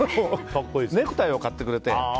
ネクタイを買ってくれて。